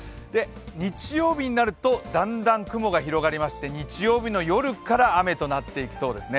日曜日になるとだんだん雲が広がりまして日曜日の夜から雨となっていきそうですね。